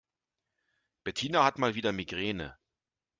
Bettina hat mal wieder Migräne.